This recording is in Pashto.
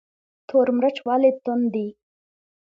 تور مرچ ولې توند دي؟